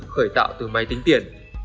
khởi tạo từ máy tính tiền